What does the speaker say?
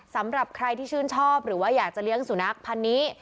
สำหรับใครที่ชื่นชอบหรือว่าอยากจะเลี้ยงสุนัขพันธ์นี้